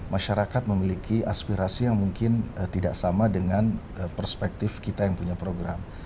masyarakat memiliki aspirasi yang mungkin tidak sama dengan perspektif kita yang punya program